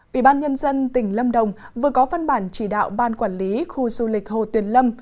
ủy ban nhân dân tỉnh lâm đồng vừa có phân bản chỉ đạo ban quản lý khu du lịch hồ tuyền lâm